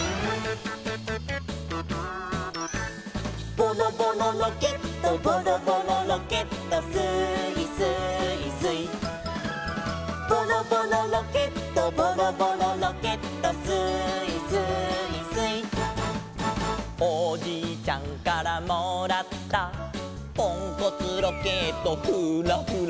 「ボロボロロケットボロボロロケット」「スーイスーイスイ」「ボロボロロケットボロボロロケット」「スーイスーイスイ」「おじいちゃんからもらった」「ポンコツロケットフーラフラ」